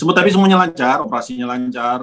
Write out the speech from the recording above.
tapi semuanya lancar operasinya lancar